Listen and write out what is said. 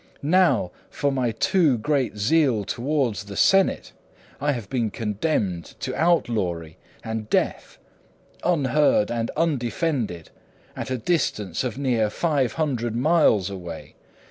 Now for my too great zeal towards the senate I have been condemned to outlawry and death, unheard and undefended, at a distance of near five hundred miles away.